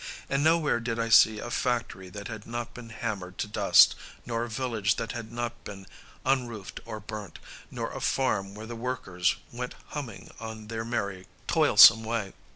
And nowhere did I see a factory that had not been hammered to dust, nor a village that had not been unroofed or burnt, nor a farm where the workers went humming on their merry, toilsome way.